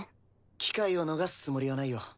機会を逃すつもりはないよ。